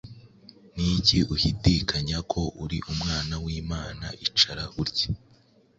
Ni iki uhidikanya ko uri Umwana wImana icara urye